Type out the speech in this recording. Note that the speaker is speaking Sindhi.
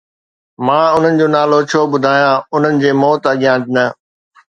مان انهن جو نالو ڇو ٻڌايان، انهن جي موت اڳيان نه؟